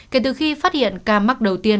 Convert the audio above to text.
kể từ khi phát hiện ca mắc đầu tiên